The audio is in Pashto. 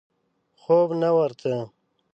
خوب نه ورته.